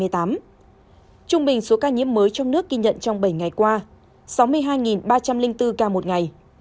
trung bình số ca nhiễm mới trong nước ghi nhận trong bảy ngày qua sáu mươi hai ba trăm linh bốn ca một ngày